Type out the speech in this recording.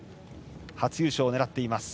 初優勝を狙っています。